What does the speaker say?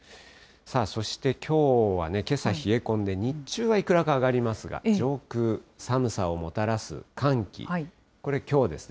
そしてきょうはね、けさ冷え込んで、日中はいくらか上がりますが、上空、寒さをもたらす寒気、これ、きょうですね。